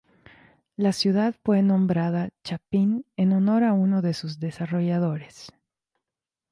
La ciudad fue nombrada Chapin en honor a uno de sus desarrolladores.